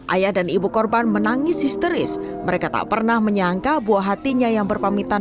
ayah dan ibu korban menangis histeris mereka tak pernah menyangka buah hatinya yang berpamitan